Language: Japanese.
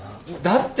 だって。